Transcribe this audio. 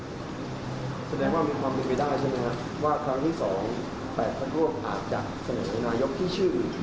สัญญาว่ามีความลืมไปได้ใช่ไหมครับว่าครั้งที่๒๘ภักดิ์ร่วมอาจจะเสนอในนายกที่ชื่ออื่น